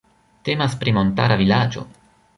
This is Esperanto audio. Temas pri montara vilaĝo.